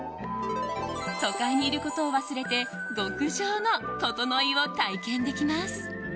都会にいることを忘れて極上のととのいを体験できます。